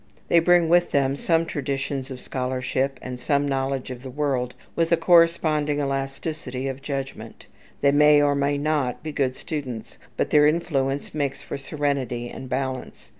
They bring with them some traditions of scholarship, and some knowledge of the world, with a corresponding elasticity of judgment. They may or may not be good students, but their influence makes for serenity and balance.